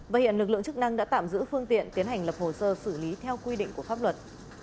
và hiện lực lượng chức năng đã tạm giữ phương tiện tiến hành lập hồ sơ xử lý theo quy định của pháp luật